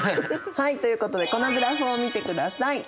はいということでこのグラフを見て下さい。